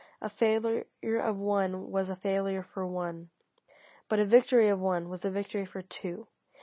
A failure of one was a failure for one; but a victory of one was a victory for two.